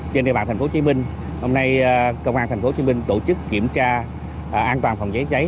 trên địa bàn tp hcm hôm nay công an tp hcm tổ chức kiểm tra an toàn phòng cháy cháy